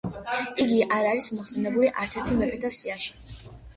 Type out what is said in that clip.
იგი არ არის მოხსენიებული არცერთ მეფეთა სიაში.